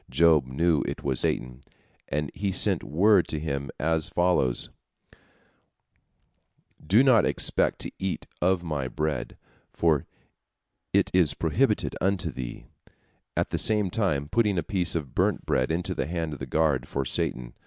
Job knew it was Satan, and he sent word to him as follows, "Do not expect to eat of my bread, for it is prohibited unto thee," at the same time putting a piece of burnt bread into the hand of the guard for Satan.